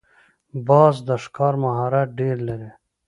باز د ښکار مهارت ډېر لري